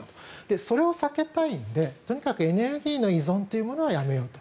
それを避けたいのでとにかくエネルギーの依存というのはやめようと。